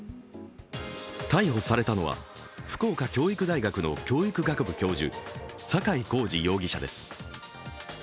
逮捕されたのは福岡教育大学教育学部の教授坂井孝次容疑者です。